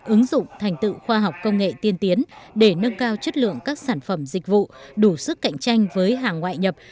ứng dụng thành tựu khoa học công nghệ tiên tiến để nâng cao chất lượng các sản phẩm dịch vụ đủ sức cạnh tranh với hàng ngoại nhập